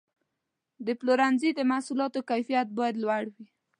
د پلورنځي د محصولاتو کیفیت باید لوړ وي.